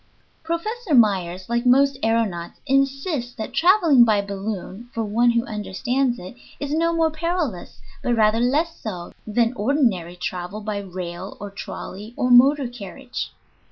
"] Professor Myers, like most aëronauts, insists that traveling by balloon, for one who understands it, is no more perilous, but rather less so, than ordinary travel by rail or trolley or motor carriage.